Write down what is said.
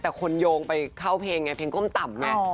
แต่คนโยงไปเข้าเพลงไงเพลงก้มต่ำไง